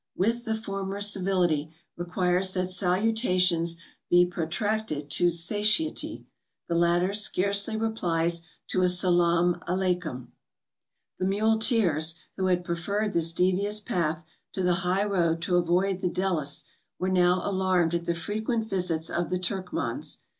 With the former civility requires that 192 MOUNTAIN ADVENTURES. salutations be protracted to satiety; the latter scarcely replies to a salam aleikiim. The muleteers, who had preferred this devious path to the highroad to avoid the Dellis, were now alarmed at the frequent visits of the Turkmans.